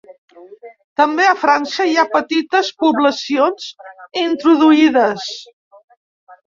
També a França hi ha petites poblacions introduïdes.